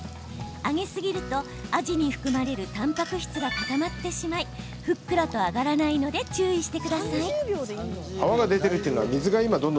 揚げすぎるとアジに含まれるたんぱく質が固まってしまいふっくらと揚がらないので注意してください。